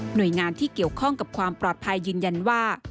โดยงานที่เกี่ยวข้องกับความปลอดภัยยืนยันว่า